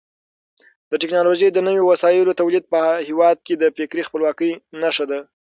د ټکنالوژۍ د نویو وسایلو تولید په هېواد کې د فکري خپلواکۍ نښه ده.